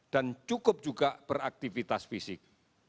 cukup juga beraktivitas fisik